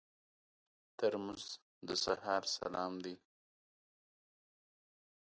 ترموز د سهار سلام دی.